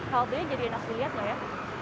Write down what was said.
haltenya jadi enak dilihat loh ya